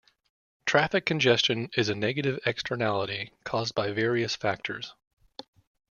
Traffic congestion is a negative externality caused by various factors.